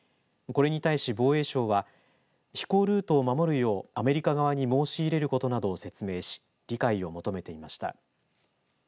これに対し、防衛省は飛行ルートを守るようアメリカ側に申し入れることなどを説明し、理解を求めていました。